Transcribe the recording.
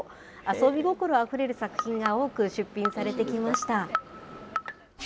遊び心あふれる作品が多く出品されてきました。